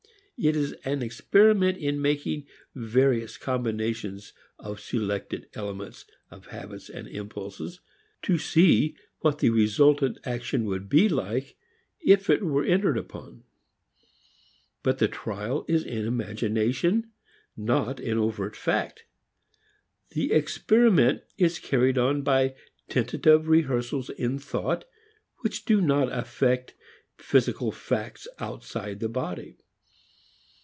It is an experiment in making various combinations of selected elements of habits and impulses, to see what the resultant action would be like if it were entered upon. But the trial is in imagination, not in overt fact. The experiment is carried on by tentative rehearsals in thought which do not affect physical facts outside the body.